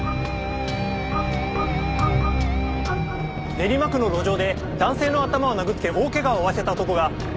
練馬区の路上で男性の頭を殴って大怪我を負わせた男が向こうに見えます